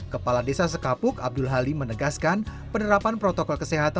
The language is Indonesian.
kepala desa sekapuk abdul halim menegaskan penerapan protokol kesehatan